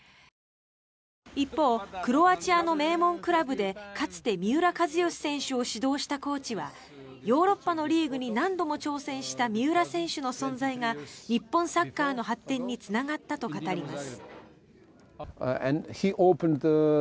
一方、クロアチアの名門クラブでかつて三浦知良選手を指導したコーチはヨーロッパのリーグに何度も挑戦した三浦選手の存在が日本サッカーの発展につながったと語ります。